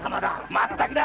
まったくだ。